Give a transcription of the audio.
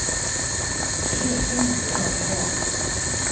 睇嚟聽日會落雨喎